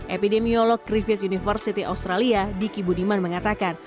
epidemiolog griffith university australia diki budiman mengatakan